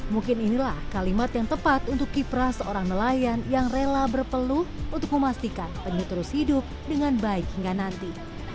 mungkin inilah kalimat yang tepat untuk kiprah seorang nelayan yang rela berpeluh untuk memastikan penyu terus hidup dengan baik hingga nanti